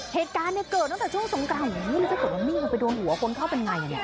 เหตุการณ์เนี่ยเกิดตั้งแต่ช่วงสงครามนี้มันก็เกิดว่ามีมันไปโดนหัวคนเข้าเป็นไง